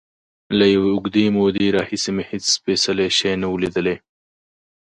له یوې اوږدې مودې راهیسې مې هېڅ سپېڅلی شی نه و لیدلی.